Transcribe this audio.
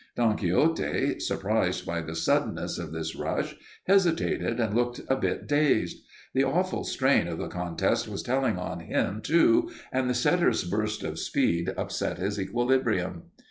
Don Quixote, surprised by the suddenness of this rush, hesitated and looked a bit dazed. The awful strain of the contest was telling on him, too, and the setter's burst of speed upset his equilibrium.